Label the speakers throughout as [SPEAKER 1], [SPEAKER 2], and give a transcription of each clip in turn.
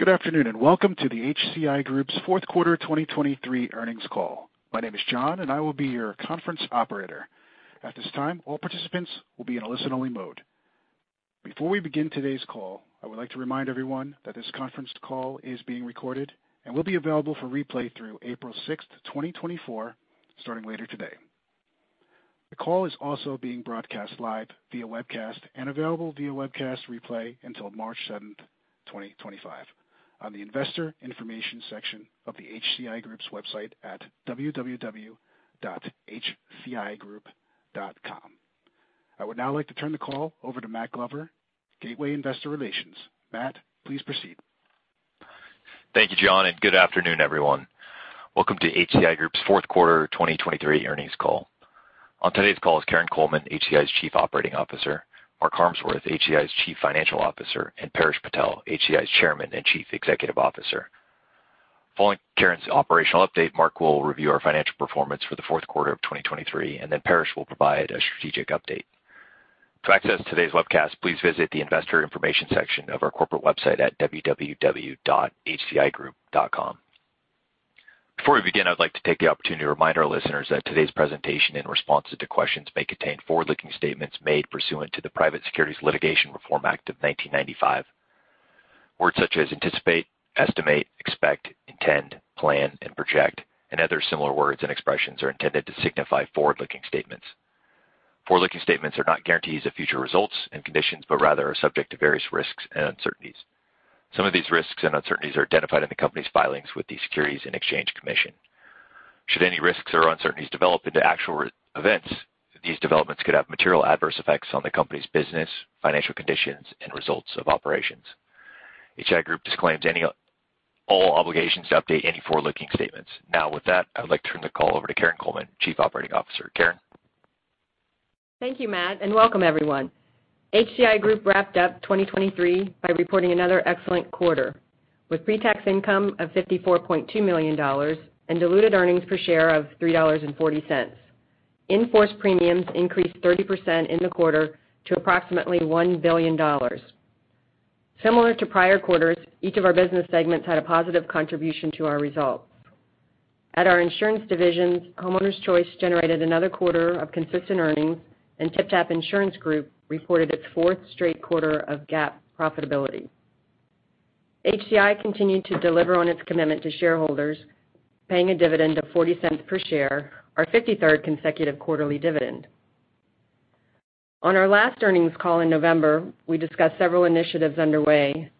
[SPEAKER 1] Good afternoon and welcome to the HCI Group's fourth quarter 2023 earnings call. My name is John, and I will be your conference operator. At this time, all participants will be in a listen-only mode. Before we begin today's call, I would like to remind everyone that this conference call is being recorded and will be available for replay through April 6th, 2024, starting later today. The call is also being broadcast live via webcast and available via webcast replay until March 7th, 2025, on the investor information section of the HCI Group's website at www.hcigroup.com. I would now like to turn the call over to Matt Glover, Gateway Investor Relations. Matt, please proceed.
[SPEAKER 2] Thank you, John, and good afternoon, everyone. Welcome to HCI Group's fourth quarter 2023 earnings call. On today's call is Karin Coleman, HCI's Chief Operating Officer, Mark Harmsworth, HCI's Chief Financial Officer, and Paresh Patel, HCI's Chairman and Chief Executive Officer. Following Karin's operational update, Mark will review our financial performance for the fourth quarter of 2023, and then Paresh will provide a strategic update. To access today's webcast, please visit the investor information section of our corporate website at www.hcigroup.com. Before we begin, I would like to take the opportunity to remind our listeners that today's presentation in response to questions may contain forward-looking statements made pursuant to the Private Securities Litigation Reform Act of 1995. Words such as anticipate, estimate, expect, intend, plan, and project, and other similar words and expressions are intended to signify forward-looking statements. Forward-looking statements are not guarantees of future results and conditions, but rather are subject to various risks and uncertainties. Some of these risks and uncertainties are identified in the company's filings with the Securities and Exchange Commission. Should any risks or uncertainties develop into actual events, these developments could have material adverse effects on the company's business, financial conditions, and results of operations. HCI Group disclaims any and all obligations to update any forward-looking statements. Now, with that, I would like to turn the call over to Karin Coleman, Chief Operating Officer. Karin?
[SPEAKER 3] Thank you, Matt, and welcome, everyone. HCI Group wrapped up 2023 by reporting another excellent quarter, with pre-tax income of $54.2 million and diluted earnings per share of $3.40. In-force premiums increased 30% in the quarter to approximately $1 billion. Similar to prior quarters, each of our business segments had a positive contribution to our results. At our insurance divisions, Homeowners Choice generated another quarter of consistent earnings, and TypTap Insurance Group reported its fourth straight quarter of GAAP profitability. HCI continued to deliver on its commitment to shareholders, paying a dividend of $0.40 per share, our 53rd consecutive quarterly dividend. On our last earnings call in November, we discussed several initiatives underway.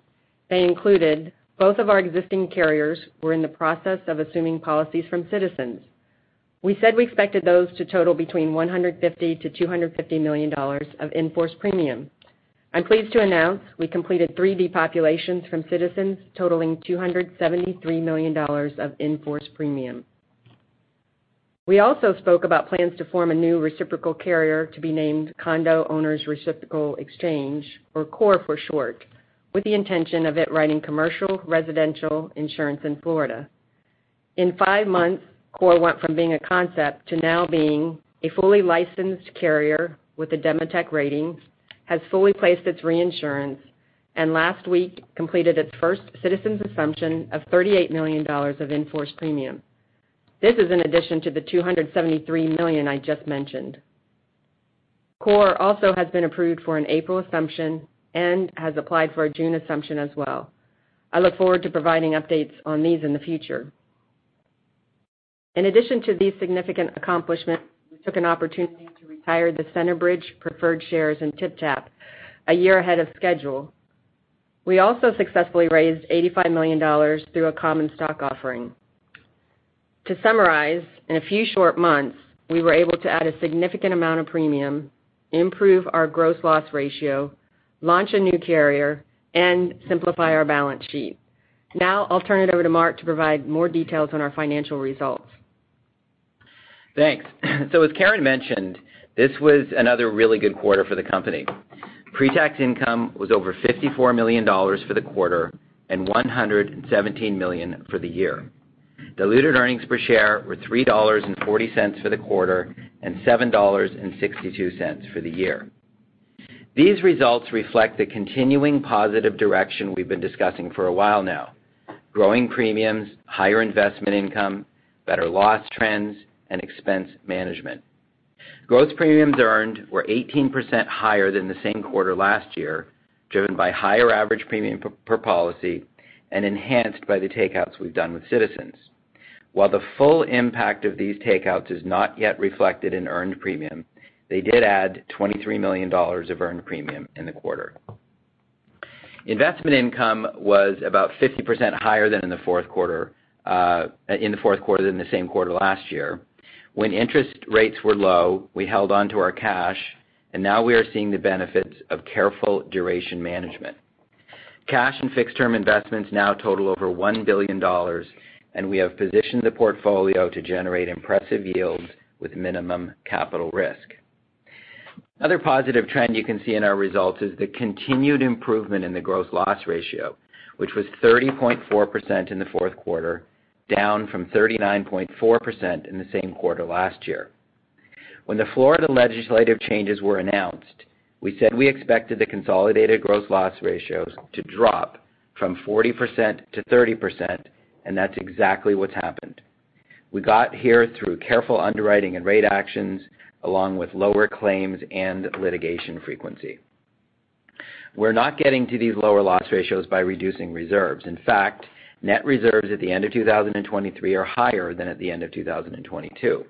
[SPEAKER 3] They included both of our existing carriers were in the process of assuming policies from Citizens. We said we expected those to total between $150 million-$250 million of in-force premium. I'm pleased to announce we completed three depopulations from Citizens totaling $273 million of in-force premium. We also spoke about plans to form a new reciprocal carrier to be named Condo Owners Reciprocal Exchange, or CORE for short, with the intention of it writing commercial, residential insurance in Florida. In five months, CORE went from being a concept to now being a fully licensed carrier with a Demotech rating, has fully placed its reinsurance, and last week completed its first Citizens' assumption of $38 million of in-force premium. This is in addition to the $273 million I just mentioned. CORE also has been approved for an April assumption and has applied for a June assumption as well. I look forward to providing updates on these in the future. In addition to these significant accomplishments, we took an opportunity to retire the Centerbridge Preferred Shares in TypTap a year ahead of schedule. We also successfully raised $85 million through a common stock offering. To summarize, in a few short months, we were able to add a significant amount of premium, improve our gross loss ratio, launch a new carrier, and simplify our balance sheet. Now I'll turn it over to Mark to provide more details on our financial results.
[SPEAKER 4] Thanks. So as Karin mentioned, this was another really good quarter for the company. Pre-tax income was over $54 million for the quarter and $117 million for the year. Diluted earnings per share were $3.40 for the quarter and $7.62 for the year. These results reflect the continuing positive direction we've been discussing for a while now: growing premiums, higher investment income, better loss trends, and expense management. Gross premiums earned were 18% higher than the same quarter last year, driven by higher average premium per policy and enhanced by the takeouts we've done with Citizens. While the full impact of these takeouts is not yet reflected in earned premium, they did add $23 million of earned premium in the quarter. Investment income was about 50% higher than in the fourth quarter than the same quarter last year. When interest rates were low, we held onto our cash, and now we are seeing the benefits of careful duration management. Cash and fixed-term investments now total over $1 billion, and we have positioned the portfolio to generate impressive yields with minimum capital risk. Another positive trend you can see in our results is the continued improvement in the gross loss ratio, which was 30.4% in the fourth quarter, down from 39.4% in the same quarter last year. When the Florida legislative changes were announced, we said we expected the consolidated gross loss ratios to drop from 40%-30%, and that's exactly what's happened. We got here through careful underwriting and rate actions, along with lower claims and litigation frequency. We're not getting to these lower loss ratios by reducing reserves. In fact, net reserves at the end of 2023 are higher than at the end of 2022.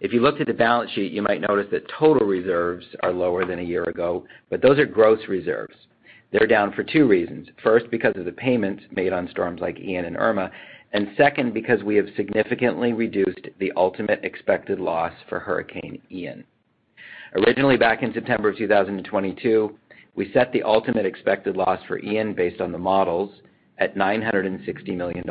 [SPEAKER 4] If you looked at the balance sheet, you might notice that total reserves are lower than a year ago, but those are gross reserves. They're down for two reasons. First, because of the payments made on storms like Ian and Irma, and second, because we have significantly reduced the ultimate expected loss for Hurricane Ian. Originally, back in September of 2022, we set the ultimate expected loss for Ian based on the models at $960 million.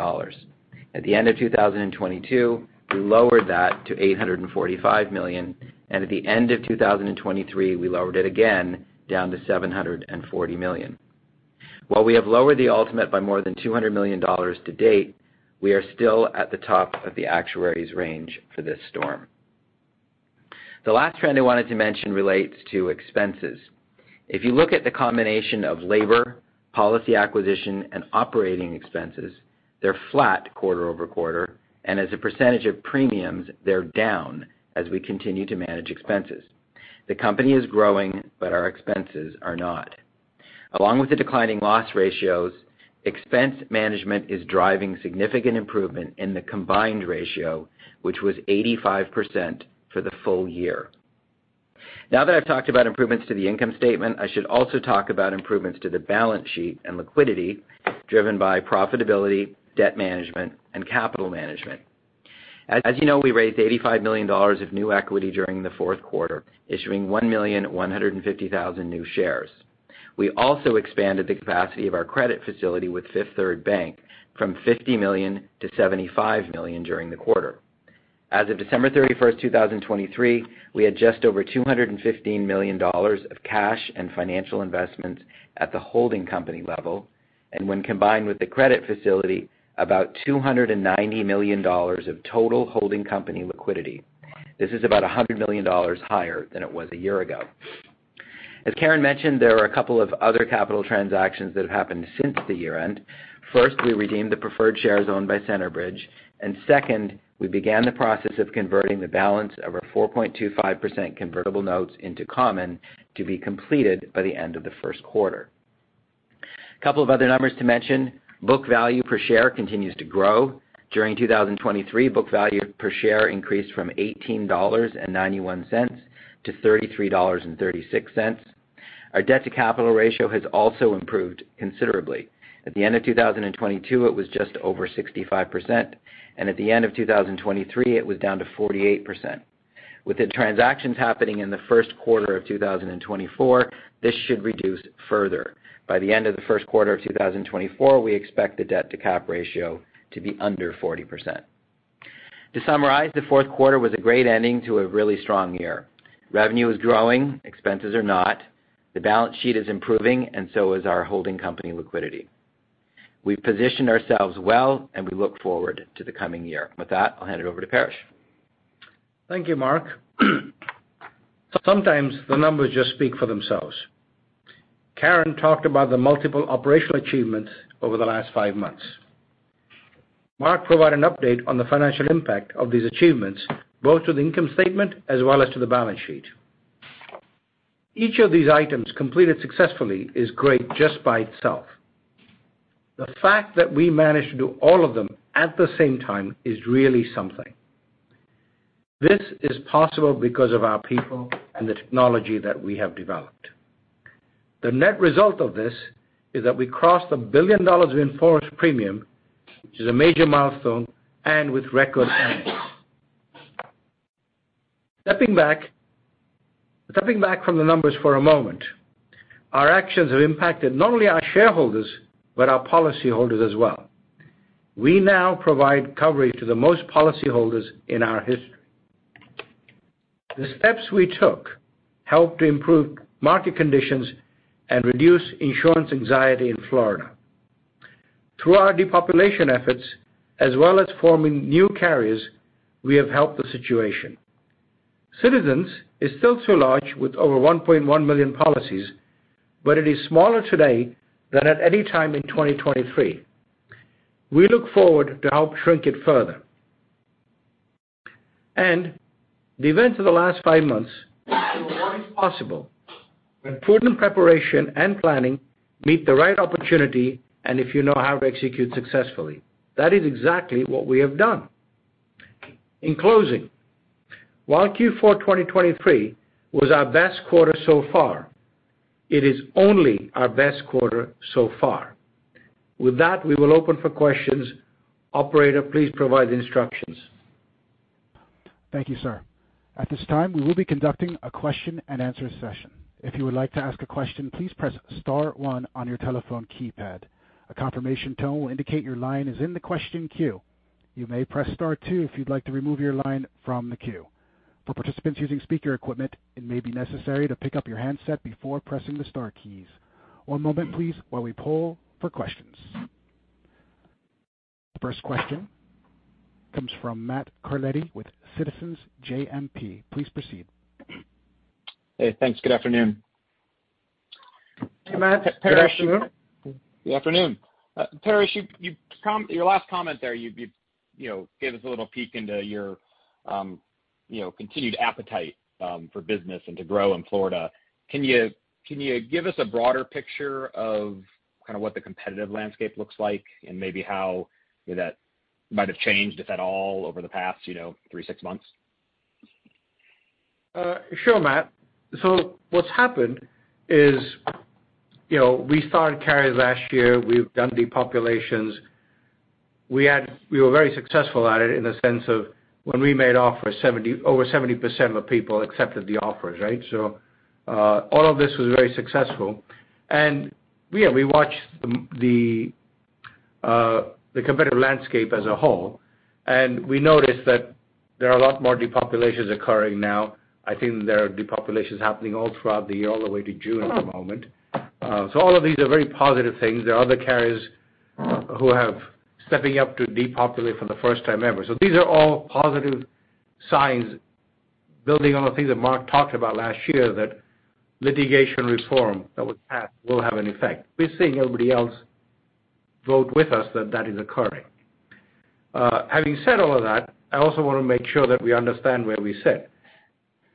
[SPEAKER 4] At the end of 2022, we lowered that to $845 million, and at the end of 2023, we lowered it again down to $740 million. While we have lowered the ultimate by more than $200 million to date, we are still at the top of the actuaries range for this storm. The last trend I wanted to mention relates to expenses. If you look at the combination of labor, policy acquisition, and operating expenses, they're flat quarter-over-quarter, and as a percentage of premiums, they're down as we continue to manage expenses. The company is growing, but our expenses are not. Along with the declining loss ratios, expense management is driving significant improvement in the combined ratio, which was 85% for the full year. Now that I've talked about improvements to the income statement, I should also talk about improvements to the balance sheet and liquidity driven by profitability, debt management, and capital management. As you know, we raised $85 million of new equity during the fourth quarter, issuing 1,150,000 new shares. We also expanded the capacity of our credit facility with Fifth Third Bank from $50 million-$75 million during the quarter. As of December 31st, 2023, we had just over $215 million of cash and financial investments at the holding company level, and when combined with the credit facility, about $290 million of total holding company liquidity. This is about $100 million higher than it was a year ago. As Karin mentioned, there are a couple of other capital transactions that have happened since the year-end. First, we redeemed the preferred shares owned by Centerbridge, and second, we began the process of converting the balance of our 4.25% convertible notes into common to be completed by the end of the first quarter. A couple of other numbers to mention: book value per share continues to grow. During 2023, book value per share increased from $18.91-$33.36. Our debt to capital ratio has also improved considerably. At the end of 2022, it was just over 65%, and at the end of 2023, it was down to 48%. With the transactions happening in the first quarter of 2024, this should reduce further. By the end of the first quarter of 2024, we expect the debt-to-capital ratio to be under 40%. To summarize, the fourth quarter was a great ending to a really strong year. Revenue is growing. Expenses are not. The balance sheet is improving, and so is our holding company liquidity. We've positioned ourselves well, and we look forward to the coming year. With that, I'll hand it over to Paresh.
[SPEAKER 5] Thank you, Mark. Sometimes the numbers just speak for themselves. Karin talked about the multiple operational achievements over the last five months. Mark provided an update on the financial impact of these achievements, both to the income statement as well as to the balance sheet. Each of these items completed successfully is great just by itself. The fact that we managed to do all of them at the same time is really something. This is possible because of our people and the technology that we have developed. The net result of this is that we crossed $1 billion of in-force premium, which is a major milestone, and with record earnings. Stepping back from the numbers for a moment, our actions have impacted not only our shareholders but our policyholders as well. We now provide coverage to the most policyholders in our history. The steps we took helped to improve market conditions and reduce insurance anxiety in Florida. Through our depopulation efforts, as well as forming new carriers, we have helped the situation. Citizens is still too large with over 1.1 million policies, but it is smaller today than at any time in 2023. We look forward to help shrink it further. The events of the last five months are what is possible when prudent preparation and planning meet the right opportunity and if you know how to execute successfully. That is exactly what we have done. In closing, while Q4 2023 was our best quarter so far, it is only our best quarter so far. With that, we will open for questions. Operator, please provide the instructions.
[SPEAKER 1] Thank you, sir. At this time, we will be conducting a question-and-answer session. If you would like to ask a question, please press star one on your telephone keypad. A confirmation tone will indicate your line is in the question queue. You may press star two if you'd like to remove your line from the queue. For participants using speaker equipment, it may be necessary to pick up your handset before pressing the star keys. One moment, please, while we pull for questions. First question comes from Matt Carletti with Citizens JMP. Please proceed.
[SPEAKER 6] Hey, thanks. Good afternoon.
[SPEAKER 5] Hey, Matt. Paresh?
[SPEAKER 6] Good afternoon. Good afternoon. Paresh, your last comment there, you gave us a little peek into your continued appetite for business and to grow in Florida. Can you give us a broader picture of kind of what the competitive landscape looks like and maybe how that might have changed, if at all, over the past three, six months?
[SPEAKER 5] Sure, Matt. So what's happened is we started carriers last year. We've done depopulations. We were very successful at it in the sense of when we made offers, over 70% of the people accepted the offers, right? So all of this was very successful. And yeah, we watched the competitive landscape as a whole, and we noticed that there are a lot more depopulations occurring now. I think there are depopulations happening all throughout the year, all the way to June at the moment. So all of these are very positive things. There are other carriers who are stepping up to depopulate for the first time ever. So these are all positive signs, building on the things that Mark talked about last year, that litigation reform that was passed will have an effect. We're seeing everybody else vote with us that that is occurring. Having said all of that, I also want to make sure that we understand where we sit.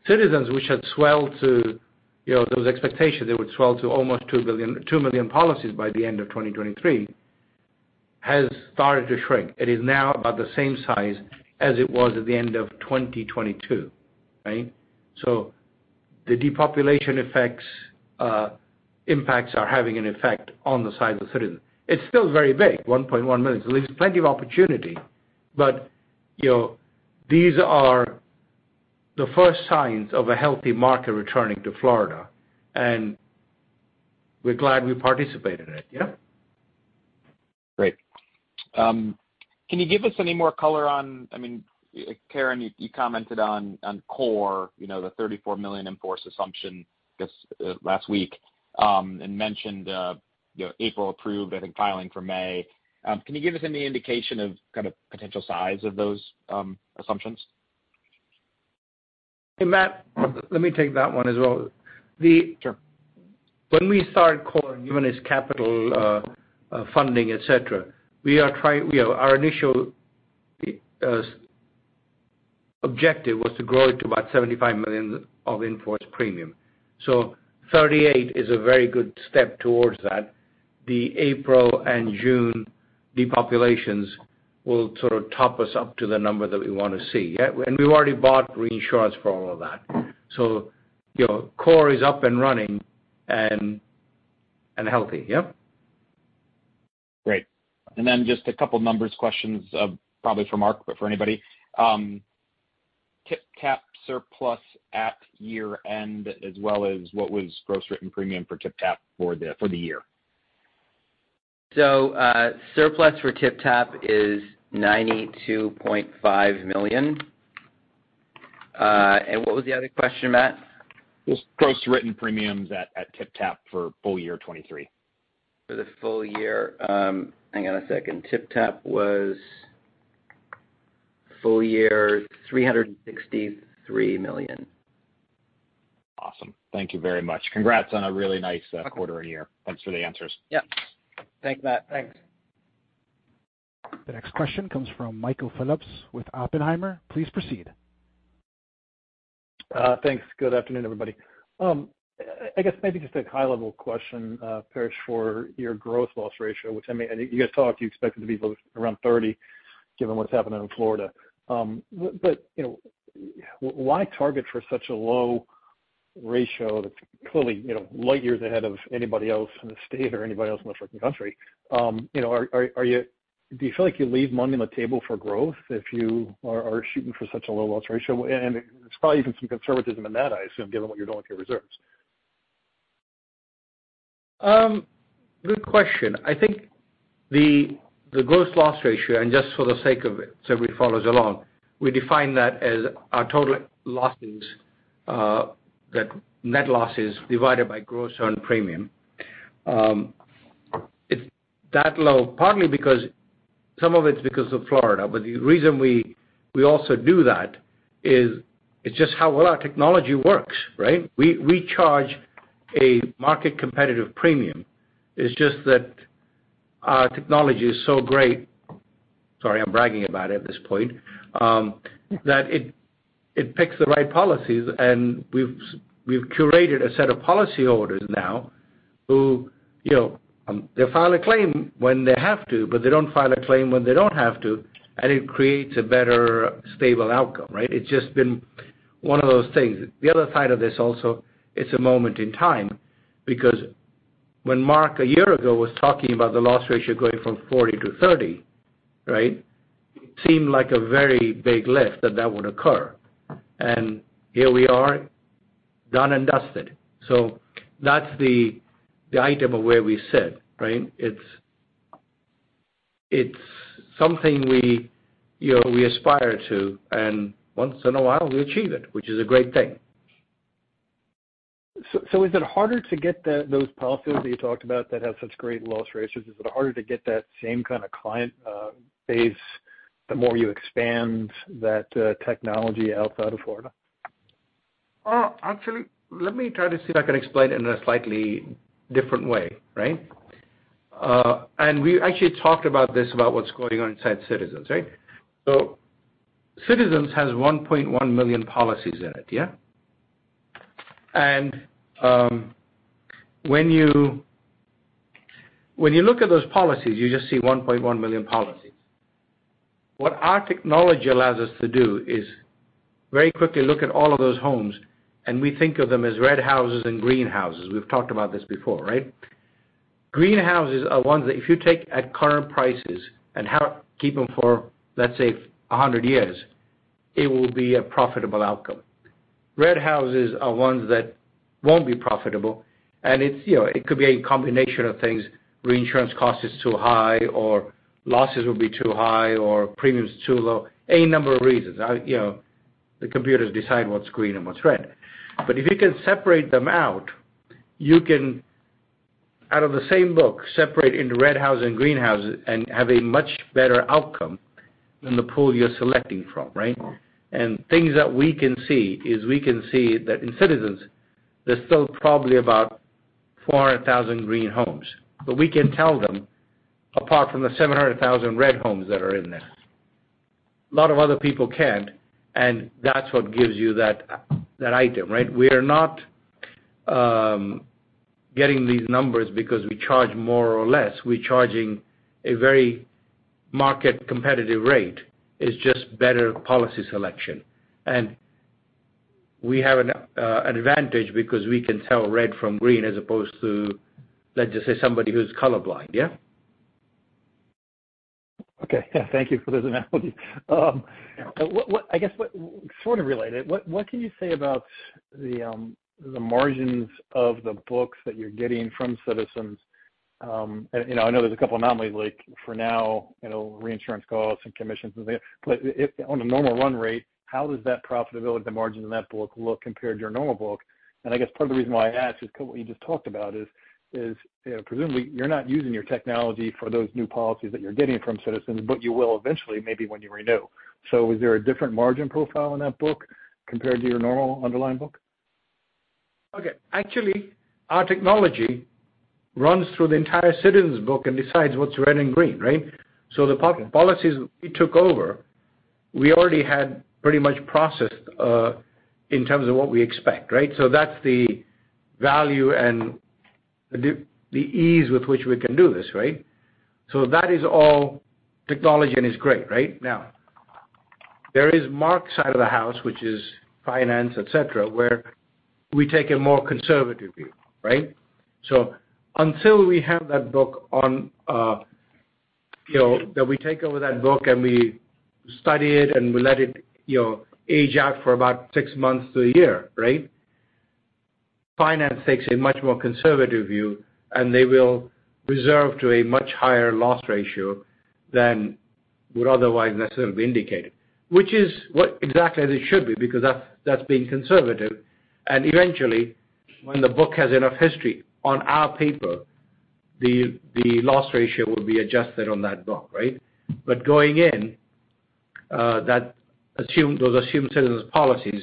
[SPEAKER 5] Citizens, which had swelled to those expectations, they would swell to almost 2 million policies by the end of 2023, has started to shrink. It is now about the same size as it was at the end of 2022, right? So the depopulation impacts are having an effect on the size of Citizens. It's still very big, 1.1 million. So there's plenty of opportunity, but these are the first signs of a healthy market returning to Florida, and we're glad we participated in it, yeah?
[SPEAKER 6] Great. Can you give us any more color on—I mean, Karin, you commented on CORE, the $34 million in-force assumption, I guess, last week and mentioned April approved, I think, filing for May. Can you give us any indication of kind of potential size of those assumptions?
[SPEAKER 5] Hey, Matt, let me take that one as well. When we started CORE and given its capital funding, etc., our initial objective was to grow it to about $75 million of in-force premium. So $38 million is a very good step towards that. The April and June depopulations will sort of top us up to the number that we want to see, yeah? And we've already bought reinsurance for all of that. So CORE is up and running and healthy, yeah?
[SPEAKER 6] Great. And then just a couple of numbers questions, probably for Mark but for anybody. TypTap surplus at year-end as well as what was gross written premium for TypTap for the year?
[SPEAKER 4] So surplus for TypTap is $92.5 million. And what was the other question, Matt?
[SPEAKER 6] Just gross written premiums at TypTap for full year 2023.
[SPEAKER 4] For the full year, hang on a second. TypTap was full year $363 million.
[SPEAKER 6] Awesome. Thank you very much. Congrats on a really nice quarter and year. Thanks for the answers.
[SPEAKER 4] Yep. Thanks, Matt.
[SPEAKER 5] Thanks.
[SPEAKER 1] The next question comes from Michael Phillips with Oppenheimer. Please proceed.
[SPEAKER 7] Thanks. Good afternoon, everybody. I guess maybe just a high-level question, Paresh, for your gross loss ratio, which I mean, you guys talked. You expected it to be around 30 given what's happening in Florida. But why target for such a low ratio that's clearly light years ahead of anybody else in the state or anybody else in the freaking country? Do you feel like you leave money on the table for growth if you are shooting for such a low loss ratio? And there's probably even some conservatism in that, I assume, given what you're doing with your reserves.
[SPEAKER 5] Good question. I think the gross loss ratio, and just for the sake of it so everybody follows along, we define that as our total losses, net losses, divided by gross earned premium. It's that low partly because some of it's because of Florida, but the reason we also do that is it's just how well our technology works, right? We charge a market-competitive premium. It's just that our technology is so great - sorry, I'm bragging about it at this point - that it picks the right policies, and we've curated a set of policyholders now who they file a claim when they have to, but they don't file a claim when they don't have to, and it creates a better, stable outcome, right? It's just been one of those things. The other side of this also, it's a moment in time because when Mark a year ago was talking about the loss ratio going from 40%-30%, right, it seemed like a very big lift that that would occur. Here we are, done and dusted. That's the item of where we sit, right? It's something we aspire to, and once in a while, we achieve it, which is a great thing.
[SPEAKER 7] Is it harder to get those policies that you talked about that have such great loss ratios? Is it harder to get that same kind of client base the more you expand that technology outside of Florida?
[SPEAKER 5] Actually, let me try to see if I can explain it in a slightly different way, right? And we actually talked about this, about what's going on inside Citizens, right? So Citizens has 1.1 million policies in it, yeah? And when you look at those policies, you just see 1.1 million policies. What our technology allows us to do is very quickly look at all of those homes, and we think of them as red houses and green houses. We've talked about this before, right? Green houses are ones that if you take at current prices and keep them for, let's say, 100 years, it will be a profitable outcome. Red houses are ones that won't be profitable, and it could be a combination of things: reinsurance cost is too high, or losses will be too high, or premiums too low, any number of reasons. The computers decide what's green and what's red. But if you can separate them out, you can, out of the same book, separate into red houses and green houses and have a much better outcome than the pool you're selecting from, right? And things that we can see is we can see that in Citizens, there's still probably about 400,000 green homes, but we can tell them apart from the 700,000 red homes that are in there. A lot of other people can't, and that's what gives you that item, right? We are not getting these numbers because we charge more or less. We're charging a very market-competitive rate. It's just better policy selection. And we have an advantage because we can tell red from green as opposed to, let's just say, somebody who's colorblind, yeah?
[SPEAKER 7] Okay. Yeah, thank you for those analogies. I guess sort of related, what can you say about the margins of the books that you're getting from Citizens? And I know there's a couple of anomalies, like for now, reinsurance costs and commissions and things. But on a normal run rate, how does that profitability, the margin in that book, look compared to your normal book? And I guess part of the reason why I ask is what you just talked about is presumably, you're not using your technology for those new policies that you're getting from Citizens, but you will eventually, maybe when you renew. So is there a different margin profile in that book compared to your normal underlying book?
[SPEAKER 5] Okay. Actually, our technology runs through the entire Citizens book and decides what's red and green, right? So the policies we took over, we already had pretty much processed in terms of what we expect, right? So that's the value and the ease with which we can do this, right? So that is all technology, and it's great, right? Now, there is Mark's side of the house, which is finance, etc., where we take a more conservative view, right? So until we have that book on that we take over that book and we study it and we let it age out for about six months to a year, right, finance takes a much more conservative view, and they will reserve to a much higher loss ratio than would otherwise necessarily be indicated, which is exactly as it should be because that's being conservative. And eventually, when the book has enough history on our paper, the loss ratio will be adjusted on that book, right? But going in, those assumed Citizens policies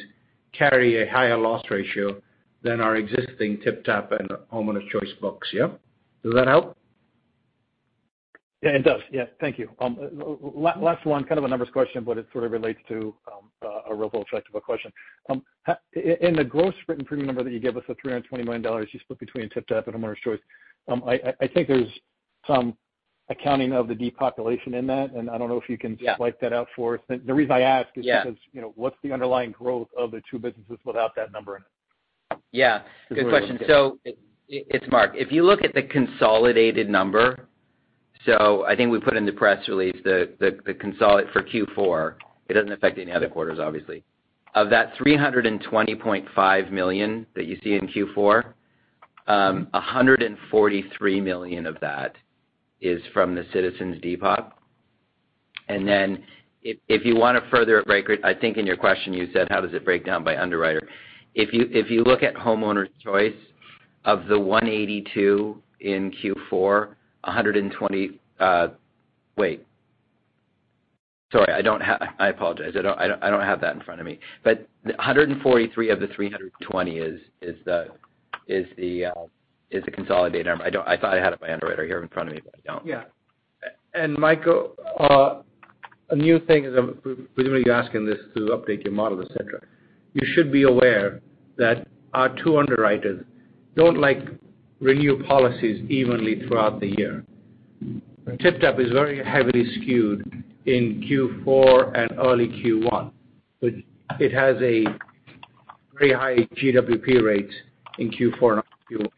[SPEAKER 5] carry a higher loss ratio than our existing TypTap and Homeowners Choice books, yeah? Does that help?
[SPEAKER 7] Yeah, it does. Yeah, thank you. Last one, kind of a numbers question, but it sort of relates to a real follow-up question. In the gross written premium number that you gave us, the $320 million you split between TypTap and Homeowners Choice, I think there's some accounting of the depopulation in that, and I don't know if you can break that out for us. The reason I ask is because what's the underlying growth of the two businesses without that number in it?
[SPEAKER 4] Yeah, good question. So it's, Mark, if you look at the consolidated number, so I think we put in the press release the consolidated for Q4. It doesn't affect any other quarters, obviously. Of that $320.5 million that you see in Q4, $143 million of that is from the Citizens depop. And then if you want to further it, Michael, I think in your question, you said, "How does it break down by underwriter?" If you look at Homeowners Choice, of the $182 in Q4, $120. Sorry, I apologize. I don't have that in front of me. But $143 of the $320 is the consolidated number. I thought I had it by underwriter here in front of me, but I don't.
[SPEAKER 5] Yeah. And Michael, a new thing is presumably you're asking this to update your model, etc. You should be aware that our two underwriters don't renew policies evenly throughout the year. TypTap is very heavily skewed in Q4 and early Q1, but it has a very high GWP rate in Q4 and Q1.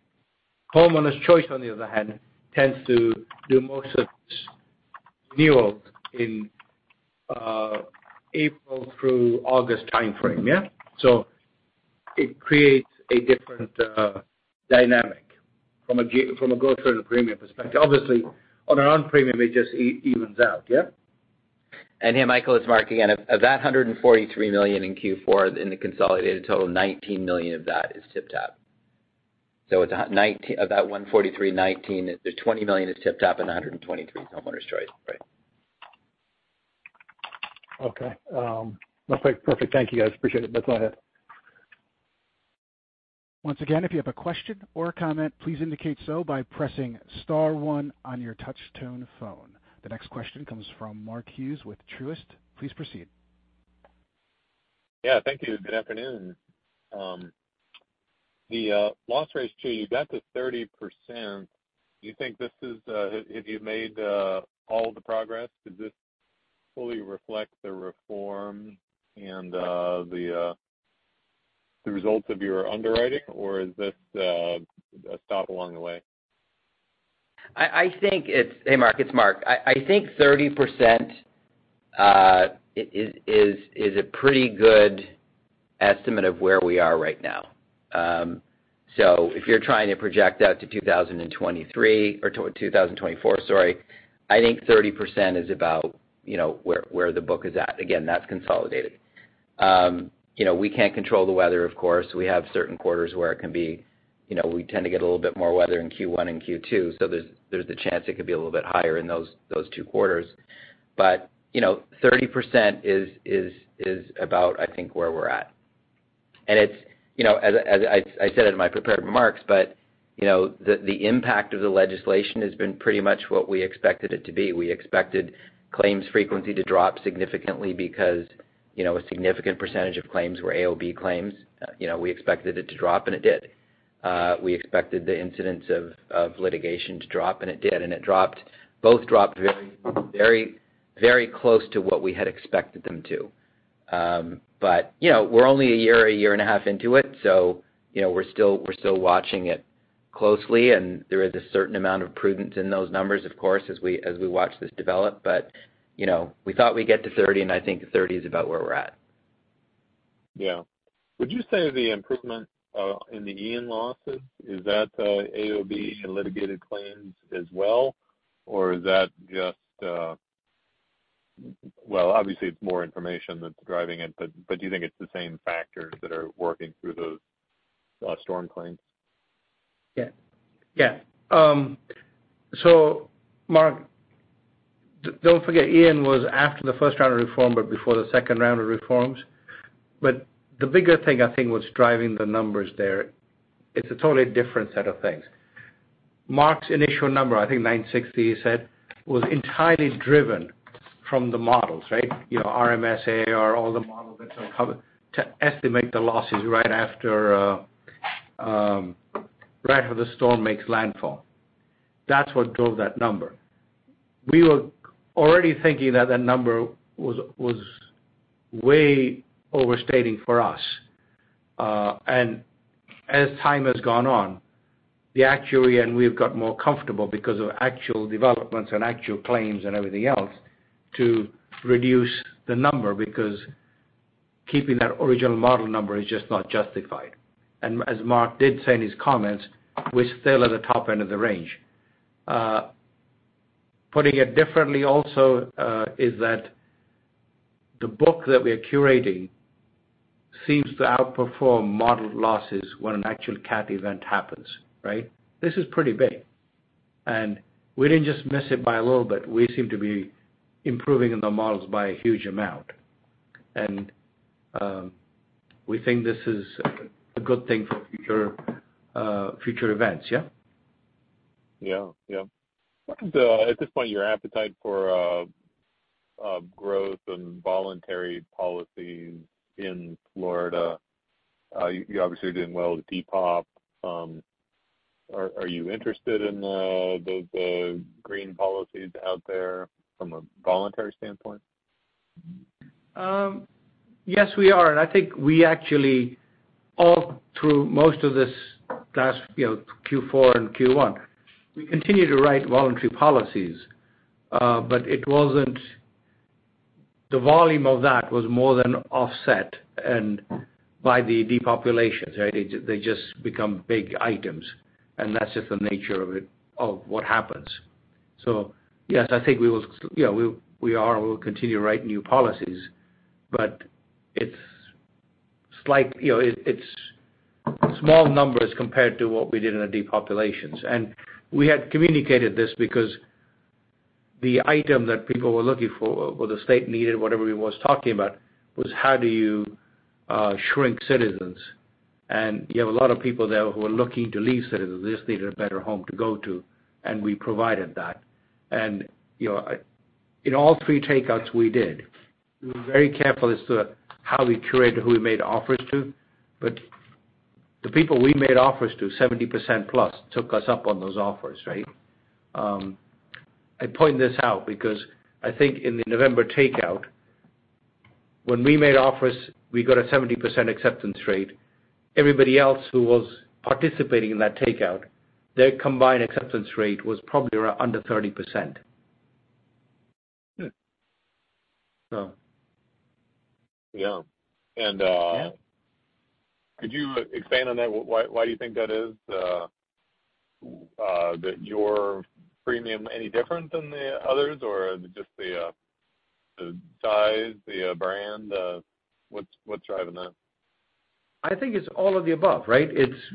[SPEAKER 5] Homeowners Choice, on the other hand, tends to do most of its renewals in April through August timeframe, yeah? So it creates a different dynamic from a gross written premium perspective. Obviously, on our own premium, it just evens out, yeah?
[SPEAKER 4] Here, Michael, it's Mark again. Of that $143 million in Q4, in the consolidated total, $19 million of that is TypTap. So of that 143, 19, the $20 million is TypTap, and 123 is Homeowners Choice, right?
[SPEAKER 7] Okay. Perfect. Thank you, guys. Appreciate it. That's all I had.
[SPEAKER 1] Once again, if you have a question or a comment, please indicate so by pressing star one on your touch-tone phone. The next question comes from Mark Hughes with Truist. Please proceed.
[SPEAKER 8] Yeah, thank you. Good afternoon. The loss ratio you got to 30%, do you think this is have you made all the progress? Does this fully reflect the reform and the results of your underwriting, or is this a stop along the way?
[SPEAKER 4] Hey, Mark, it's Mark. I think 30% is a pretty good estimate of where we are right now. So if you're trying to project that to 2023 or 2024, sorry, I think 30% is about where the book is at. Again, that's consolidated. We can't control the weather, of course. We have certain quarters where it can be, we tend to get a little bit more weather in Q1 and Q2, so there's the chance it could be a little bit higher in those two quarters. But 30% is about, I think, where we're at. And it's as I said in my prepared remarks, but the impact of the legislation has been pretty much what we expected it to be. We expected claims frequency to drop significantly because a significant percentage of claims were AOB claims. We expected it to drop, and it did. We expected the incidence of litigation to drop, and it did. It both dropped very, very close to what we had expected them to. We're only a year, a year and a half into it, so we're still watching it closely, and there is a certain amount of prudence in those numbers, of course, as we watch this develop. We thought we'd get to 30, and I think 30 is about where we're at.
[SPEAKER 8] Yeah. Would you say the improvement in the EN losses is that AOB and litigated claims as well, or is that just well, obviously, it's more information that's driving it, but do you think it's the same factors that are working through those storm claims?
[SPEAKER 5] Yeah. Yeah. So, Mark, don't forget, Ian was after the first round of reform but before the second round of reforms. But the bigger thing, I think, what's driving the numbers there, it's a totally different set of things. Mark's initial number, I think 960 he said, was entirely driven from the models, right? RMS are all the models that's uncovered to estimate the losses right after the storm makes landfall. That's what drove that number. We were already thinking that that number was way overstating for us. And as time has gone on, the actuary and we have got more comfortable because of actual developments and actual claims and everything else to reduce the number because keeping that original model number is just not justified. And as Mark did say in his comments, we're still at the top end of the range. Putting it differently also is that the book that we are curating seems to outperform modeled losses when an actual cat event happens, right? This is pretty big. And we didn't just miss it by a little bit. We seem to be improving in the models by a huge amount. And we think this is a good thing for future events, yeah?
[SPEAKER 8] Yeah. Yeah. What is, at this point, your appetite for growth and voluntary policies in Florida? You obviously are doing well with depop. Are you interested in those green policies out there from a voluntary standpoint?
[SPEAKER 5] Yes, we are. And I think we actually, all through most of this last Q4 and Q1, we continue to write voluntary policies, but the volume of that was more than offset by the depopulations, right? They just become big items, and that's just the nature of what happens. So yes, I think we will yeah, we are and we'll continue to write new policies, but it's small numbers compared to what we did in the depopulations. And we had communicated this because the item that people were looking for, what the state needed, whatever we were talking about, was how do you shrink Citizens? And you have a lot of people there who are looking to leave Citizens. They just needed a better home to go to, and we provided that. And in all three takeouts, we did. We were very careful as to how we curated who we made offers to, but the people we made offers to, 70% plus, took us up on those offers, right? I point this out because I think in the November takeout, when we made offers, we got a 70% acceptance rate. Everybody else who was participating in that takeout, their combined acceptance rate was probably under 30%, so.
[SPEAKER 8] Yeah. And could you expand on that? Why do you think that is? That your premium, any different than the others, or just the size, the brand? What's driving that?
[SPEAKER 5] I think it's all of the above, right?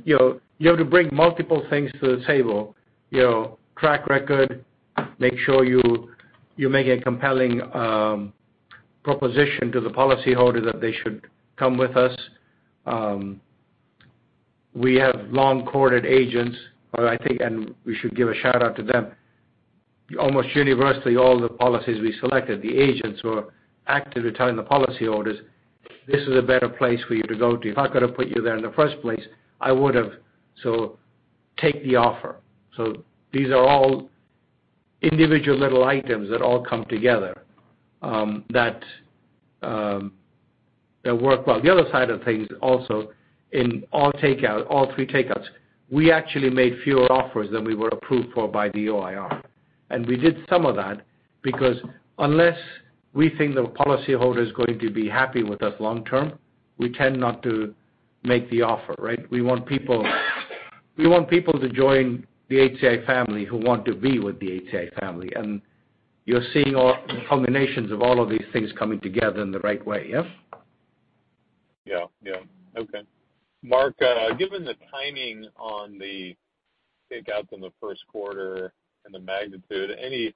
[SPEAKER 5] You have to bring multiple things to the table: track record, make sure you're making a compelling proposition to the policyholder that they should come with us. We have long-courted agents, and we should give a shout-out to them. Almost universally, all the policies we selected, the agents were active returning the policyholders. This is a better place for you to go to. If I could have put you there in the first place, I would have. So take the offer. So these are all individual little items that all come together that work well. The other side of things also, in all three takeouts, we actually made fewer offers than we were approved for by the OIR. We did some of that because unless we think the policyholder is going to be happy with us long-term, we tend not to make the offer, right? We want people to join the HCI family who want to be with the HCI family. You're seeing combinations of all of these things coming together in the right way, yeah?
[SPEAKER 8] Yeah. Yeah. Okay. Mark, given the timing on the takeouts in the first quarter and the magnitude, any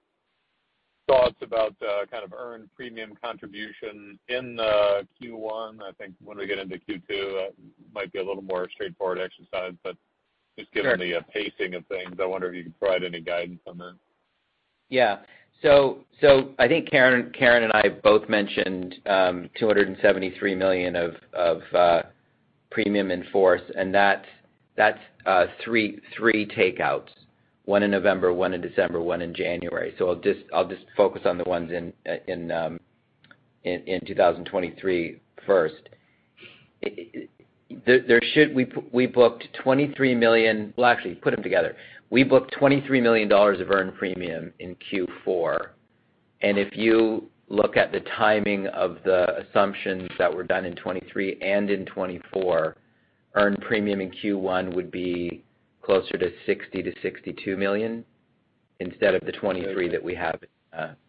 [SPEAKER 8] thoughts about kind of earned premium contribution in Q1? I think when we get into Q2, it might be a little more straightforward exercise, but just given the pacing of things, I wonder if you could provide any guidance on that.
[SPEAKER 4] Yeah. So I think Karin and I both mentioned $273 million of premium in force, and that's three takeouts: one in November, one in December, one in January. So I'll just focus on the ones in 2023 first. We booked $23 million. Well, actually, put them together. We booked $23 million of earned premium in Q4. And if you look at the timing of the assumptions that were done in 2023 and in 2024, earned premium in Q1 would be closer to $60 million-$62 million instead of the 2023 that we have.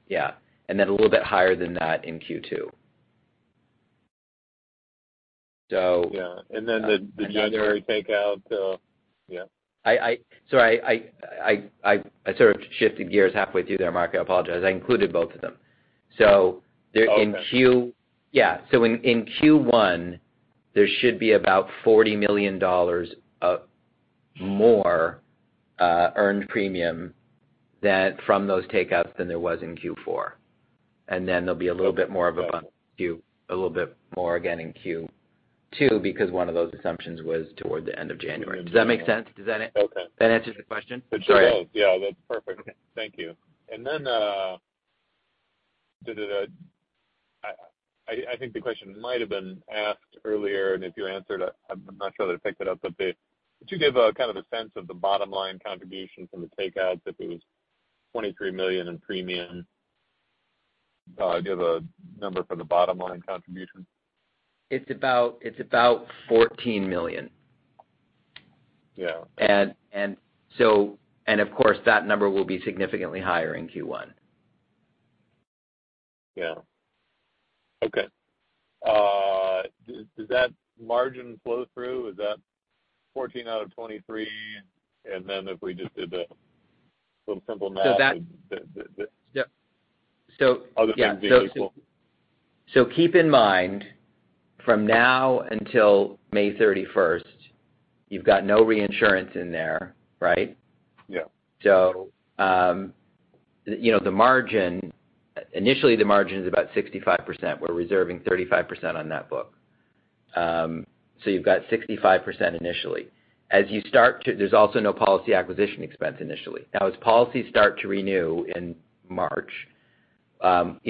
[SPEAKER 4] Yeah, and then a little bit higher than that in Q2, so.
[SPEAKER 8] Yeah. And then the January takeout, yeah?
[SPEAKER 4] Sorry, I sort of shifted gears halfway through there, Mark. I apologize. I included both of them. So in Q1, there should be about $40 million more earned premium from those takeouts than there was in Q4. And then there'll be a little bit more of a bump in Q1 a little bit more, again, in Q2 because one of those assumptions was toward the end of January. Does that make sense? Does that answer the question?
[SPEAKER 8] It does. Yeah, that's perfect. Thank you. And then I think the question might have been asked earlier, and if you answered it, I'm not sure that it picked it up, but did you give kind of a sense of the bottom-line contribution from the takeouts if it was $23 million in premium? Do you have a number for the bottom-line contribution?
[SPEAKER 4] It's about $14 million. Of course, that number will be significantly higher in Q1.
[SPEAKER 8] Yeah. Okay. Does that margin flow through? Is that 14 out of 23? And then if we just did a little simple math, other things being equal.
[SPEAKER 4] So keep in mind, from now until May 31st, you've got no reinsurance in there, right? So initially, the margin is about 65%. We're reserving 35% on that book. So you've got 65% initially. As you start to there's also no policy acquisition expense initially. Now, as policies start to renew in March, some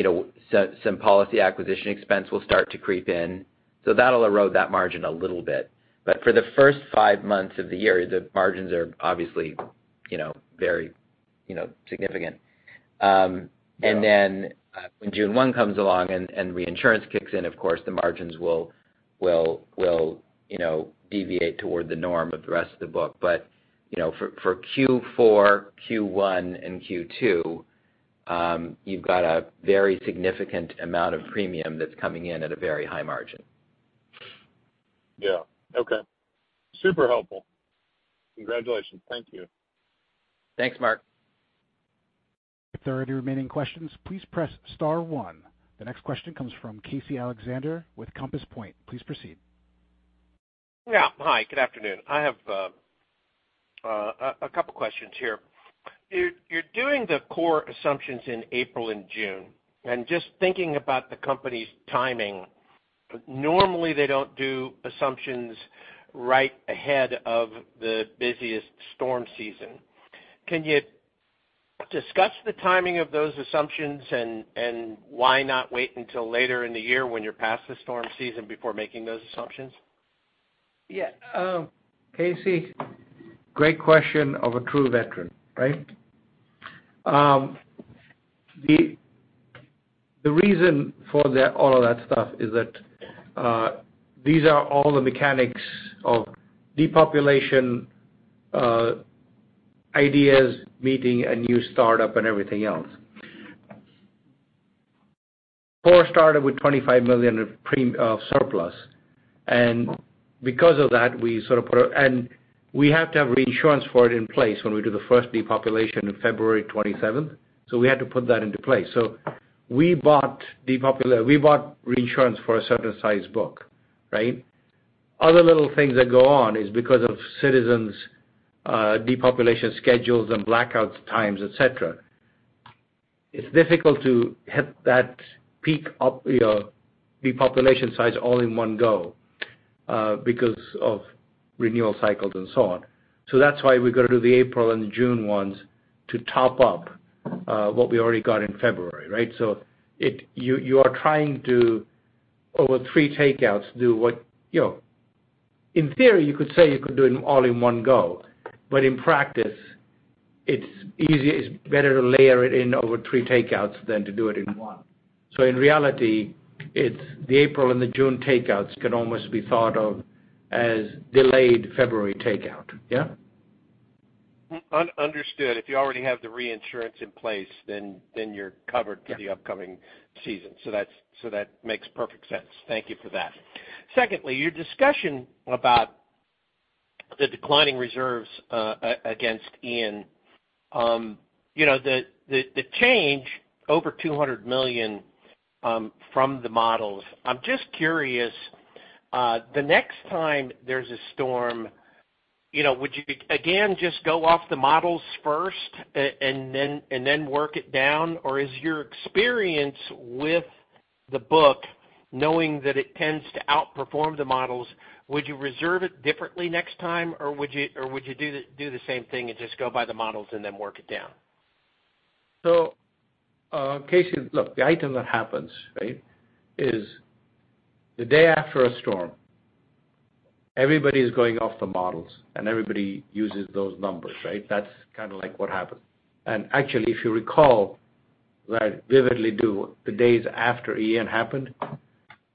[SPEAKER 4] policy acquisition expense will start to creep in, so that'll erode that margin a little bit. But for the first five months of the year, the margins are obviously very significant. And then when June 1 comes along and reinsurance kicks in, of course, the margins will deviate toward the norm of the rest of the book. But for Q4, Q1, and Q2, you've got a very significant amount of premium that's coming in at a very high margin.
[SPEAKER 8] Yeah. Okay. Super helpful. Congratulations. Thank you.
[SPEAKER 4] Thanks, Mark.
[SPEAKER 1] For the remaining questions, please press star one. The next question comes from Casey Alexander with Compass Point. Please proceed.
[SPEAKER 9] Yeah. Hi. Good afternoon. I have a couple of questions here. You're doing the CORE assumptions in April and June. Just thinking about the company's timing, normally, they don't do assumptions right ahead of the busiest storm season. Can you discuss the timing of those assumptions and why not wait until later in the year when you're past the storm season before making those assumptions?
[SPEAKER 5] Yeah. Casey, great question of a true veteran, right? The reason for all of that stuff is that these are all the mechanics of depopulation, ideas meeting, a new startup, and everything else. CORE startup with $25 million of surplus. And because of that, we sort of put a and we have to have reinsurance for it in place when we do the first depopulation on February 27th. So we had to put that into place. So we bought reinsurance for a certain size book, right? Other little things that go on is because of Citizens' depopulation schedules and blackout times, etc. It's difficult to hit that peak depopulation size all in one go because of renewal cycles and so on. So that's why we've got to do the April and June ones to top up what we already got in February, right? So you are trying to, over three takeouts, do what in theory, you could say you could do it all in one go, but in practice, it's better to layer it in over three takeouts than to do it in one. So in reality, the April and the June takeouts can almost be thought of as delayed February takeout, yeah?
[SPEAKER 9] Understood. If you already have the reinsurance in place, then you're covered for the upcoming season. So that makes perfect sense. Thank you for that. Secondly, your discussion about the declining reserves against EN, the change over $200 million from the models, I'm just curious, the next time there's a storm, would you, again, just go off the models first and then work it down? Or is your experience with the book, knowing that it tends to outperform the models, would you reserve it differently next time, or would you do the same thing and just go by the models and then work it down?
[SPEAKER 5] So Casey, look, the item that happens, right, is the day after a storm, everybody is going off the models, and everybody uses those numbers, right? That's kind of like what happens. And actually, if you recall that vividly do, the days after Ian happened,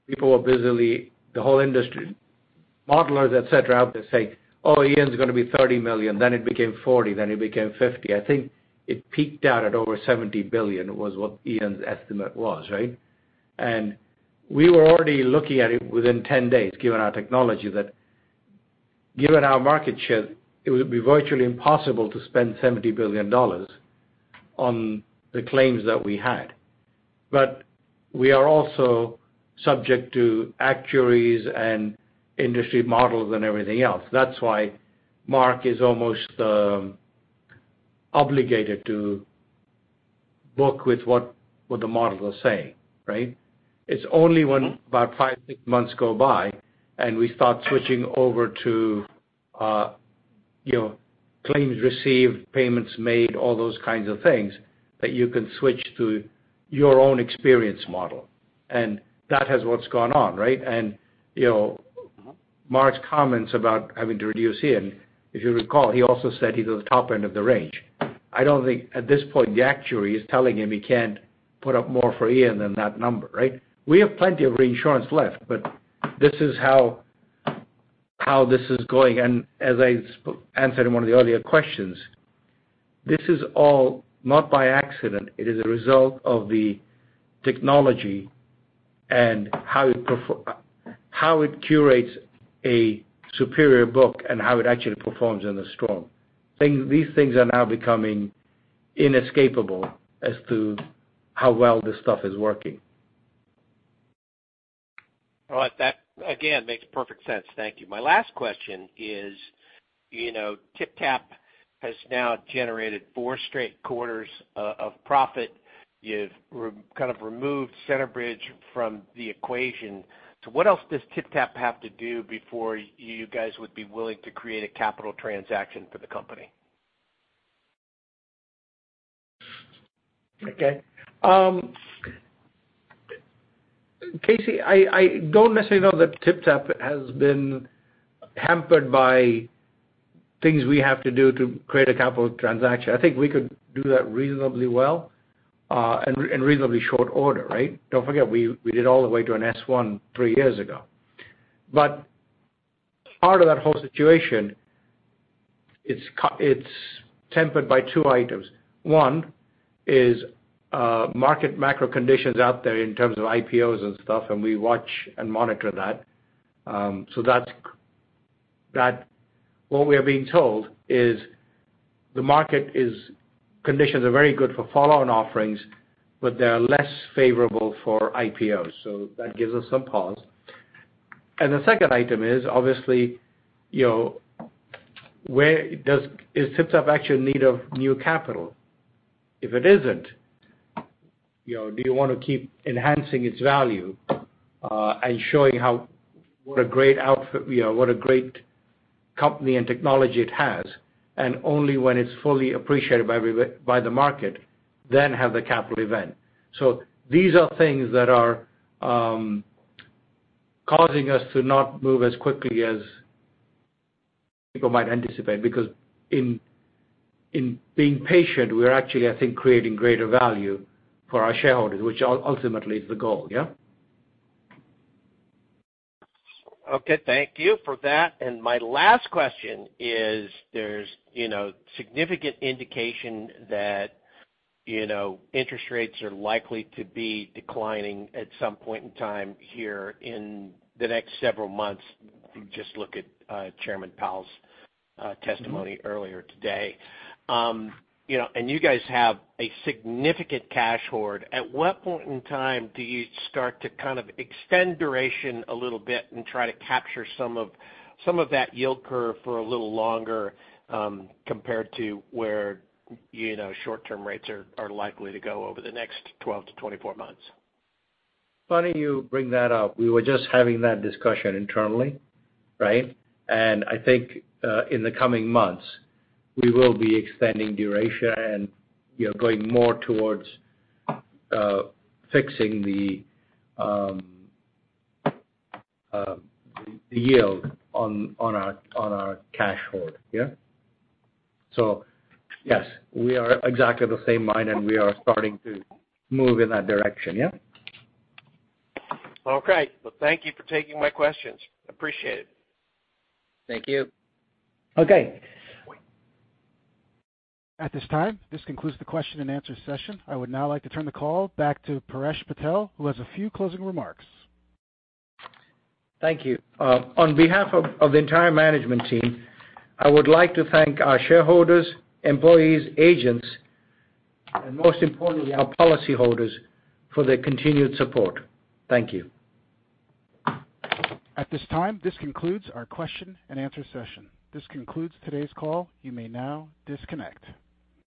[SPEAKER 5] people were busily the whole industry, modelers, etc., out there saying, "Oh, Ian's going to be $30 million. Then it became 40. Then it became 50." I think it peaked out at over $70 billion was what Ian's estimate was, right? And we were already looking at it within 10 days, given our technology, that given our market share, it would be virtually impossible to spend $70 billion on the claims that we had. But we are also subject to actuaries and industry models and everything else. That's why Mark is almost obligated to book with what the models are saying, right? It's only when about five, six months go by, and we start switching over to claims received, payments made, all those kinds of things, that you can switch to your own experience model. And that has what's gone on, right? And Mark's comments about having to reduce EN, if you recall, he also said he's at the top end of the range. I don't think at this point, the actuary is telling him he can't put up more for EN than that number, right? We have plenty of reinsurance left, but this is how this is going. And as I answered in one of the earlier questions, this is all not by accident. It is a result of the technology and how it curates a superior book and how it actually performs in the storm. These things are now becoming inescapable as to how well this stuff is working.
[SPEAKER 9] All right. That, again, makes perfect sense. Thank you. My last question is, TypTap has now generated four straight quarters of profit. You've kind of removed Centerbridge from the equation. So what else does TypTap have to do before you guys would be willing to create a capital transaction for the company?
[SPEAKER 5] Okay. Casey, I don't necessarily know that TypTap has been hampered by things we have to do to create a capital transaction. I think we could do that reasonably well in reasonably short order, right? Don't forget, we did all the way to an S-1 three years ago. But part of that whole situation, it's tempered by two items. One is market macro conditions out there in terms of IPOs and stuff, and we watch and monitor that. So what we are being told is the market conditions are very good for follow-on offerings, but they are less favorable for IPOs. So that gives us some pause. And the second item is, obviously, is TypTap actually in need of new capital? If it isn't, do you want to keep enhancing its value and showing what a great outfit what a great company and technology it has? Only when it's fully appreciated by the market, then have the capital event. These are things that are causing us to not move as quickly as people might anticipate because in being patient, we're actually, I think, creating greater value for our shareholders, which ultimately is the goal, yeah?
[SPEAKER 9] Okay. Thank you for that. My last question is, there's significant indication that interest rates are likely to be declining at some point in time here in the next several months. Just look at Chairman Powell's testimony earlier today. You guys have a significant cash hoard. At what point in time do you start to kind of extend duration a little bit and try to capture some of that yield curve for a little longer compared to where short-term rates are likely to go over the next 12-24 months?
[SPEAKER 5] Funny you bring that up. We were just having that discussion internally, right? And I think in the coming months, we will be extending duration and going more towards fixing the yield on our cash hoard, yeah? So yes, we are exactly the same mind, and we are starting to move in that direction, yeah?
[SPEAKER 9] All right. Well, thank you for taking my questions. Appreciate it.
[SPEAKER 4] Thank you.
[SPEAKER 5] Okay.
[SPEAKER 1] At this time, this concludes the question-and-answer session. I would now like to turn the call back to Paresh Patel, who has a few closing remarks.
[SPEAKER 5] Thank you. On behalf of the entire management team, I would like to thank our shareholders, employees, agents, and most importantly, our policyholders for their continued support. Thank you.
[SPEAKER 1] At this time, this concludes our question-and-answer session. This concludes today's call. You may now disconnect.